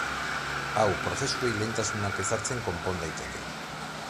Hau prozesuei lehentasunak ezartzen konpon daiteke.